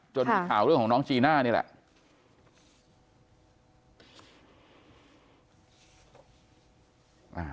ข่าวเรื่องของน้องจีน่านี่แหละ